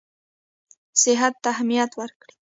صحت ته اهمیت ورکړي.